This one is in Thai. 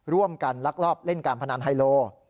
ร่วมกันลักรอบเล่นการพนันไฮโล